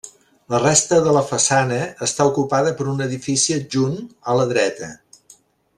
La resta de la façana està ocupada per un edifici adjunt, a la dreta.